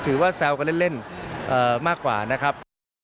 ถือว่าแซวกันเล่นมากกว่านะครับ